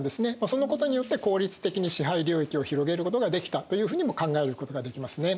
そのことによって効率的に支配領域を広げることができたというふうにも考えることができますね。